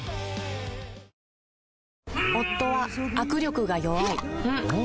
夫は握力が弱い